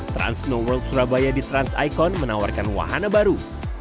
trans snow world surabaya di trans icon menawarkan wahana baru